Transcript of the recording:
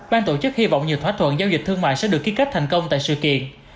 ban tổ chức hy vọng nhiều thỏa thuận giao dịch thương mại sẽ được ký kết thành công tại sự kiện